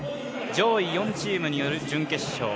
上位４チームによる準決勝。